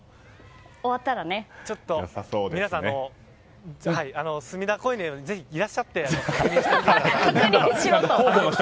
皆さん、隅田公園にぜひいらっしゃって確認してみてください。